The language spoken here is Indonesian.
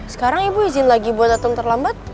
sekarang ibu izin lagi buat datang terlambat